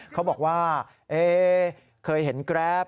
เขาบอกว่าเคยเห็นแกรป